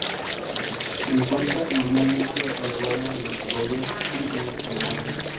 Se encuentra normalmente a lo largo de los arroyos y en los pantanos.